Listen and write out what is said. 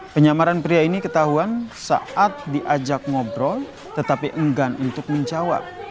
penyamaran pria ini ketahuan saat diajak ngobrol tetapi enggan untuk menjawab